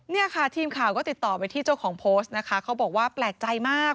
เนี่ยค่ะทีมข่าวก็ติดต่อไปที่เจ้าของโพสต์นะคะเขาบอกว่าแปลกใจมาก